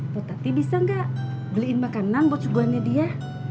tetapi bisa nggak beliin makanan buat suguhannya dia